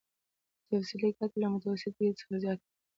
تفضيلي ګټه له متوسطې ګټې څخه زیاته وي